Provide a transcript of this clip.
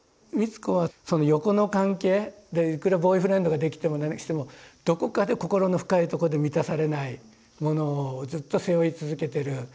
美津子は横の関係でいくらボーイフレンドができても何してもどこかで心の深いとこで満たされないものをずっと背負い続けてる。